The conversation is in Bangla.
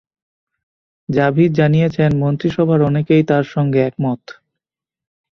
জাভিদ জানিয়েছেন, মন্ত্রিসভার অনেকেই তাঁর সঙ্গে একমত।